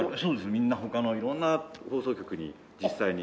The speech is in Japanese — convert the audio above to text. みんな他の色んな放送局に実際に。